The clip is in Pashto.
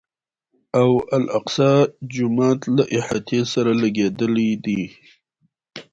او الاقصی جومات له احاطې سره لګېدلی و.